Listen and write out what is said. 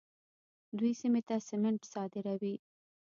دوی سیمې ته سمنټ صادروي.